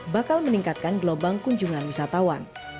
bakal meningkatkan gelombang kunjungan wisatawan